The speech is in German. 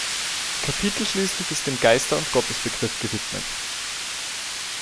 Kapitel schließlich ist dem ‚Geister und Gottesbegriff’ gewidmet.